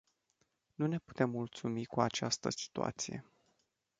Nu ne putem mulțumi cu această situație.